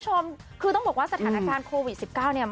คุณผู้ชมคือต้องบอกว่าสถานการณ์โควิด๑๙เนี่ย